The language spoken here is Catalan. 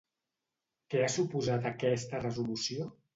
Què ha suposat aquesta resolució?